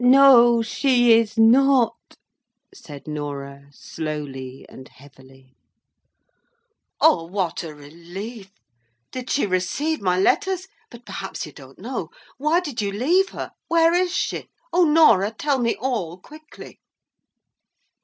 "No, she is not!" said Norah, slowly and heavily. "O what a relief! Did she receive my letters? But perhaps you don't know. Why did you leave her? Where is she? O Norah, tell me all quickly!"